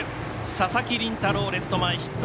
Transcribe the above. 佐々木麟太郎、レフト前ヒット。